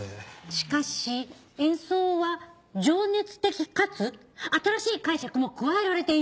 「しかし演奏は情熱的かつ新しい解釈も加えられている」。